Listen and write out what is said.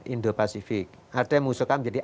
indo pasifik ada yang mengusulkan menjadi